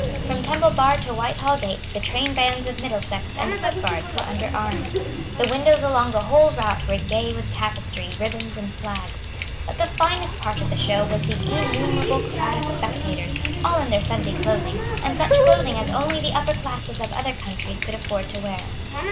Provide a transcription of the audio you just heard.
From Temple Bar to Whitehall gate the trainbands of Middlesex and the Foot Guards were under arms. The windows along the whole route were gay with tapestry, ribands and flags. But the finest part of the show was the innumerable crowd of spectators, all in their Sunday clothing, and such clothing as only the upper classes of other countries could afford to wear.